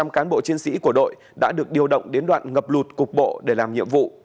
một trăm linh cán bộ chiến sĩ của đội đã được điều động đến đoạn ngập lụt cục bộ để làm nhiệm vụ